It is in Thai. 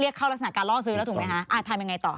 เข้ารักษณะการล่อซื้อแล้วถูกไหมคะทำยังไงต่อ